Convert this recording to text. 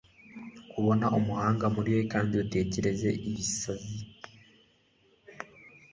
kubona umuhanga muriwe kandi utekereze ibisazi